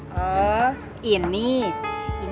ini ini dari rumah